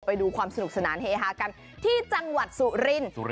ไปดูความสนุกสนานเฮฮากันที่จังหวัดสุรินทร์